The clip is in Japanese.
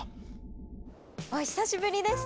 お久しぶりです！